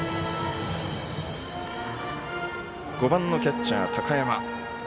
５番のキャッチャー高山。